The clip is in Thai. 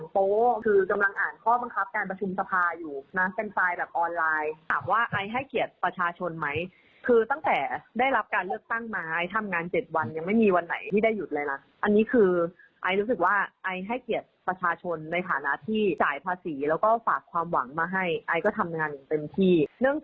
เป็นภักดิ์อันดับหนึ่งของประเทศไทยตอนนี้